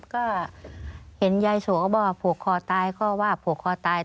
ก็เห็นยายโสก็บอกว่าผูกคอตายข้อว่าผูกคอตาย